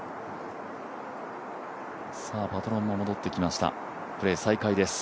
パトロンが戻ってきました、プレー再開です。